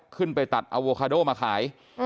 ขึ้นไปตัดเอาโวคาโดมาขาย